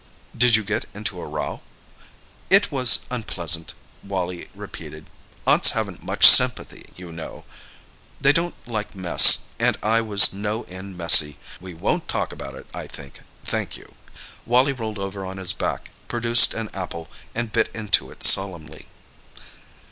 "Did you get into a row?" "It was unpleasant," Wally repeated. "Aunts haven't much sympathy, you know. They don't like mess, and I was no end messy. We won't talk about it, I think, thank you." Wally rolled over on his back, produced an apple and bit into it solemnly.